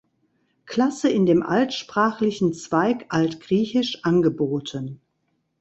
Klasse in dem altsprachlichen Zweig Altgriechisch angeboten.